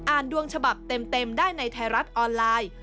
ดวงฉบับเต็มได้ในไทยรัฐออนไลน์